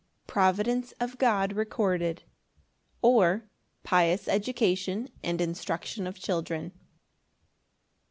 Providence of God recorded; or, Pious education and instruction of children.